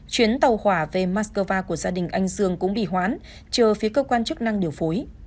chuyến tàu hỏa về moscow của gia đình anh dương cũng bị hoãn chờ phía cơ quan chức năng điều phối